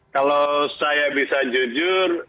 kalau saya bisa jujur